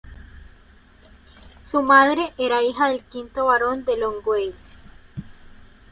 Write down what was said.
Su madre era hija del quinto Barón de Longueuil.